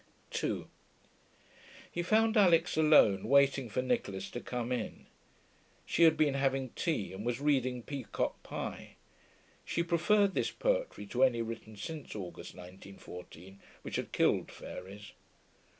2 He found Alix alone, waiting for Nicholas to come in. She had been having tea, and was reading Peacock Pie. She preferred this poetry to any written since August 1914, which had killed fairies.